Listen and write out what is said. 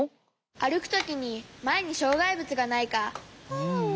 あるくときにまえにしょうがいぶつがないか。